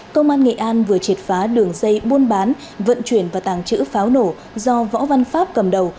công an nghệ an vừa triệt phá đường dây buôn bán vận chuyển và tàng trữ pháo nổ do võ văn pháp cầm đầu